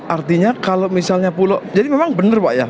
artinya kalau misalnya pulau jadi memang benar pak ya